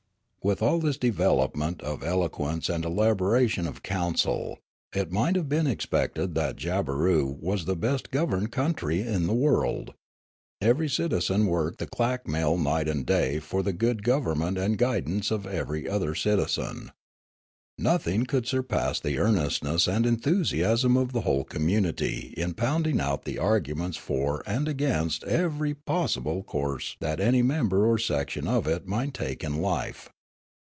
With all this development of eloquence and elabor ation of counsel, it might have been expected that Jab beroo was the best governed country in the world. Ever}' citizen worked the clack mill night and day for the good government and guidance of everj^ other citizen. Nothing could surpass 'the earnestness and enthusiasm of the whole community in pounding out the arguments for and against everj' possible .course that any member or section of it might take in life.